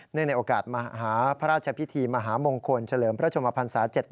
เนื่องในโอกาสมหาพระราชพิธีมหามงคลเฉลิมพระชมพันธ์ศาสตร์